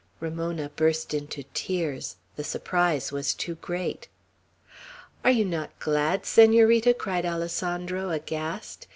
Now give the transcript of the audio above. Ramona burst into tears. The surprise was too great. "Are you not glad, Senorita?" cried Alessandro, aghast.